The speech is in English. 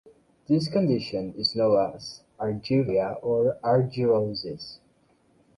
This condition is known as argyria or argyrosis.